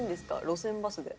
路線バスで。